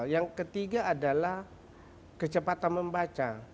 yang ketiga adalah kecepatan membaca